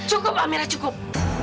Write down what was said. cukup amira cukup